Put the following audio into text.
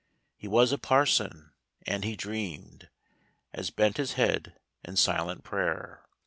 He was a parson, and he dreamed As bent his head in silent prayer.